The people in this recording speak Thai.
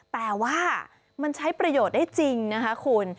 แต่ว่ามันใช้ประโยชน์ได้จริงนะคะคุณ